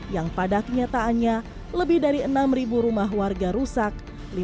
yang pada kenyataannya lebih dari enam rumah warga rusak